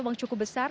uang cukup besar